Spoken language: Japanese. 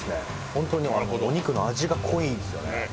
本当にお肉の味が濃いですよね。